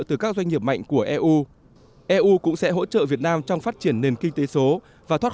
từ các doanh nghiệp mạnh của eu eu cũng sẽ hỗ trợ việt nam trong phát triển nền kinh tế số và thoát